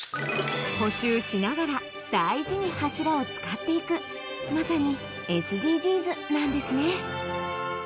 補修しながら大事に柱を使っていくまさにＳＤＧｓなんですね